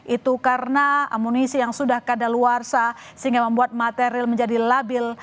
itu karena amunisi yang sudah kadaluarsa sehingga membuat material menjadi labil